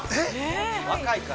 ◆若いから。